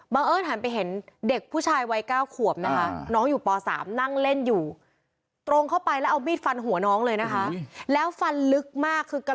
บังเอิญหันไปเห็นเด็กผู้ชายวัยเก้าขวบนะคะน้องอยู่ป่าวสามนั่งเล่นอยู่